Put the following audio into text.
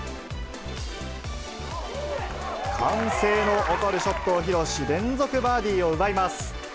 歓声の起こるショットを披露し、連続バーディーを奪います。